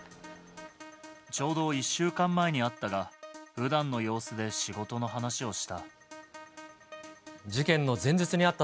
ちょうど１週間前に会ったが、ふだんの様子で仕事の話をした。